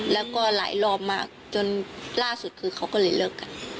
แล้วก็หลายรอบมากจนล่าสุดคือเขาก็เลยเลิกกัน